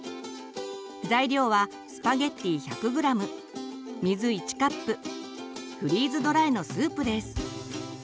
材料はスパゲッティ１００ｇ水１カップフリーズドライのスープです。